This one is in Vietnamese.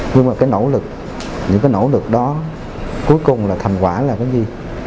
nhưng mà cái nỗ lực những cái nỗ lực đó cuối cùng là thành quả là cái gì